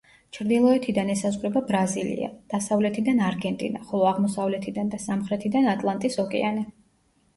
ჩრდილოეთიდან ესაზღვრება ბრაზილია, დასავლეთიდან არგენტინა, ხოლო აღმოსავლეთიდან და სამხრეთიდან ატლანტის ოკეანე.